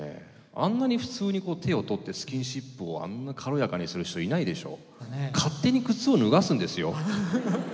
あんなに普通にこう手を取ってスキンシップをあんな軽やかにする人いないでしょ。